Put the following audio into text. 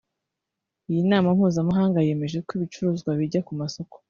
Iyi nama mpuzamahanga yemeje ko ibicuruzwa bijya ku masoko